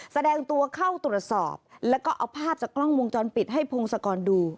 แสดงตัวเข้าตรวจสอบแล้วก็เอาภาพจากกล้องวงจรปิดให้พงศกรดู